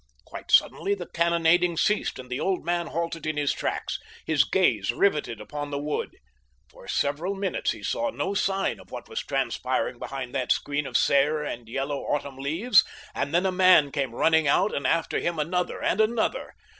Quite suddenly the cannonading ceased and the old man halted in his tracks, his gaze riveted upon the wood. For several minutes he saw no sign of what was transpiring behind that screen of sere and yellow autumn leaves, and then a man came running out, and after him another and another.